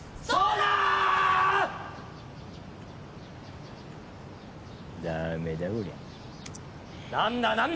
そうだー！